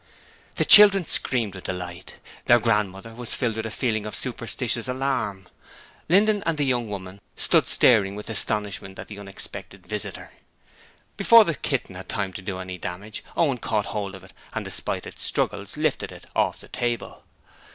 The children screamed with delight. Their grandmother was filled with a feeling of superstitious alarm. Linden and the young woman stood staring with astonishment at the unexpected visitor. Before the kitten had time to do any damage, Owen caught hold of it and, despite its struggles, lifted it off the table.